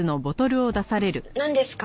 なんですか？